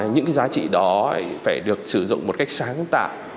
những cái giá trị đó phải được sử dụng một cách sáng tạo